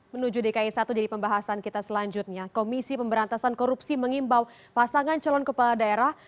menuju dki satu jadi pembahasan kita selanjutnya komisi pemberantasan korupsi mengimbau pasangan calon kepala daerah